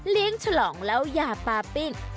เลี้ยงฉลองแล้วยาปลาปิ้ง